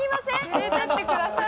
連れてってください。